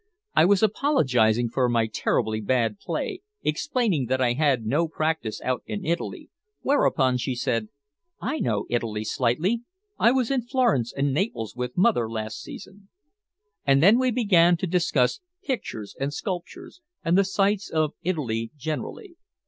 I was apologizing for my terribly bad play, explaining that I had no practice out in Italy, whereupon she said "I know Italy slightly. I was in Florence and Naples with mother last season." And then we began to discuss pictures and sculptures and the sights of Italy generally.